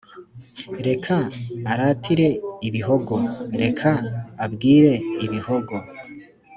Reka aratire Ibihogo: Reka abwire Ibihogo.